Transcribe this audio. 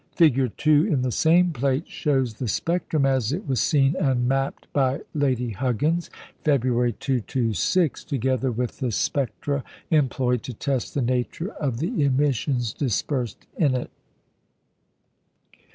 Fig. 2 in the same plate shows the spectrum as it was seen and mapped by Lady Huggins, February 2 to 6, together with the spectra employed to test the nature of the emissions dispersed in it.